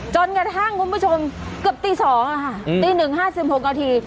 จนกระทั่งคุณผู้ชมเกือบตีสองอะฮะอืมตีหนึ่งห้าสิบหกนาที